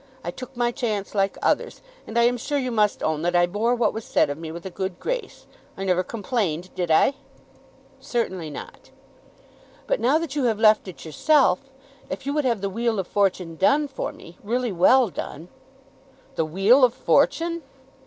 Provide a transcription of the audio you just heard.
I took my chance like others, and I am sure you must own that I bore what was said of me with a good grace. I never complained. Did I?" "Certainly not." "But now that you have left it yourself, if you would have the 'Wheel of Fortune' done for me, really well done!" "The 'Wheel of Fortune'!"